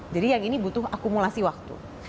jadi yang ini butuh akumulasi waktu